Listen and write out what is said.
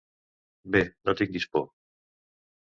Bé, no tinguis por.